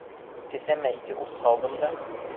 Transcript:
Кеҫәмә ике ус һалдым да...